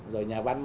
rồi nhà văn